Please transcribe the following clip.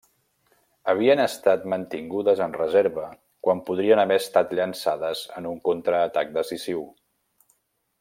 Havien estat mantingudes en reserva quan podrien haver estat llançades en un contraatac decisiu.